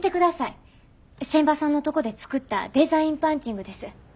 仙波さんのとこで作ったデザインパンチングです。